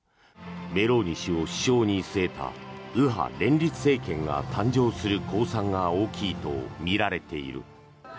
メローニ氏を首相に据えた右派連立政権が誕生する公算が大きいとみられている。